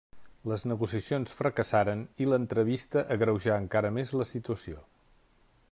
Les negociacions fracassaren i l’entrevista agreujà encara més la situació.